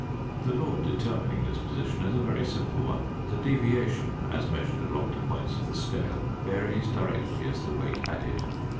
The law determining this position is a very simple one; the deviation as measured along the points of the scale varies directly as the weight added.